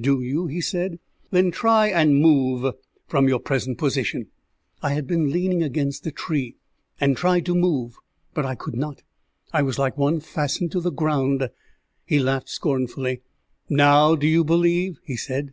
"Do you?" he said. "Then try and move from your present position." I had been leaning against a tree, and tried to move; but I could not. I was like one fastened to the ground. He laughed scornfully. "Now do you believe?" he said.